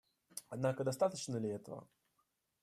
Однако достаточно ли этого?